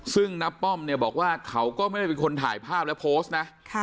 ซึ่งน้าป้อมเนี่ยบอกว่าเขาก็ไม่ได้เป็นคนถ่ายภาพและโพสต์นะ